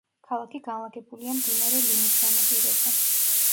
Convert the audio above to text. ქალაქი განლაგებულია მდინარე ლიმის სანაპიროზე.